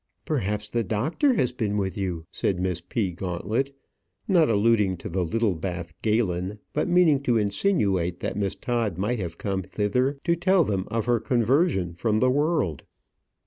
"Perhaps the doctor has been with you," said Miss P. Gauntlet, not alluding to the Littlebath Galen, but meaning to insinuate that Miss Todd might have come thither to tell them of her conversion from the world.